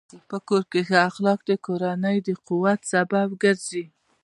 په کور کې ښه اخلاق د کورنۍ د قوت سبب ګرځي.